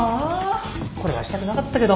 これはしたくなかったけど。